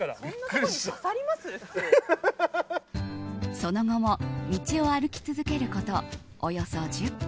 その後も道を歩き続けることおよそ１０分。